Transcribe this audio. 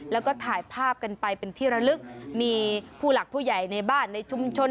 แล้วก็ถ่ายภาพกันไปเป็นที่ระลึกมีผู้หลักผู้ใหญ่ในบ้านในชุมชน